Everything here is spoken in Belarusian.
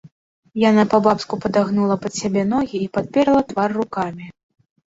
Яна па-бабску падагнула пад сябе ногі і падперла твар рукамі.